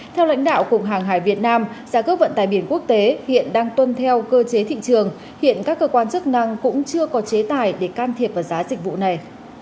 theo lãnh đạo cục hàng hải việt nam giá cước vận tải biển quốc tế hiện đang tuân theo cơ chế thị trường hiện các cơ quan chức năng cũng chưa có chế tài để can thiệp vào giá dịch vụ này